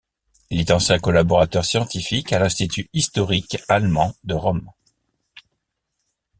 Il est ancien collaborateur scientifique à l’Institut historique allemand de Rome.